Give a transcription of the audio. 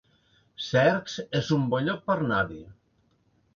Cercs es un bon lloc per anar-hi